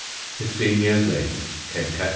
Fifteen years later came _C.